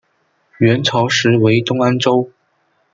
元朝时为东安州。